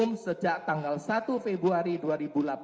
sejak tanggal satu februari dua ribu delapan belas